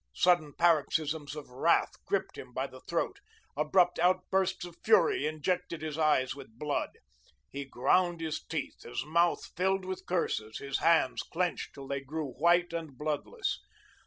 Sudden paroxysms of wrath gripped him by the throat; abrupt outbursts of fury injected his eyes with blood. He ground his teeth, his mouth filled with curses, his hands clenched till they grew white and bloodless.